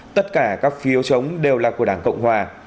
tất cả các phiếu chống đều là của đảng cộng hòa